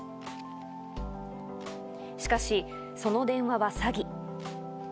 しかし、その電話は詐欺。